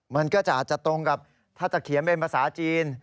มันก็จะอาจจะตรงกับถ้าจะเขียนเป็นภาษาจีน